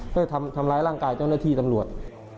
เพื่อทำร้ายร่างกายเจ้าหน้าที่ตำรวจ